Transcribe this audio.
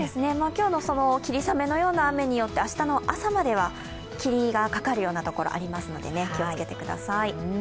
今日の霧雨のような雨によって明日の朝までは霧がかかるようなところがありますので、気をつけてください。